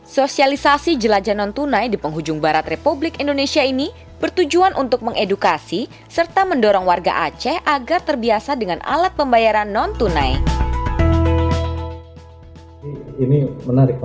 sosialisasi jelajah non tunai di penghujung barat republik indonesia ini bertujuan untuk mengedukasi serta mendorong warga aceh agar terbiasa dengan alat pembayaran non tunai